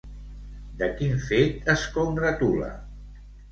De quin fet es congratula?